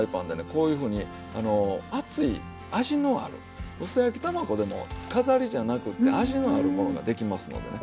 こういうふうに厚い味のある薄焼き卵でも飾りじゃなくって味のあるものができますのでね。